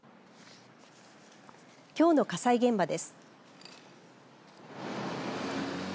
きょうの火災現場です。